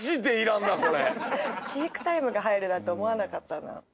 チークタイムが入るなんて思わなかったな。